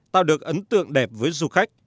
tạo được ấn tượng đẹp với du khách